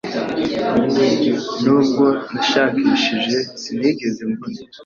Nubwo nashakishije, sinigeze mbona.